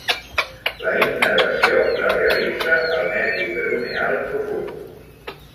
La innervació la realitza el nervi peroneal profund.